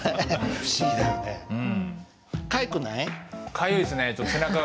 かゆいっすね。